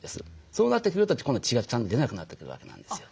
そうなってくると今度血がちゃんと出なくなってくるわけなんですよ。